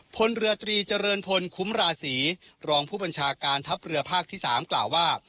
พลเรือตรีเจริญพลคุ้มราศีรองผู้บัญชาการทัพเรือภาคที่๓กล่าวว่า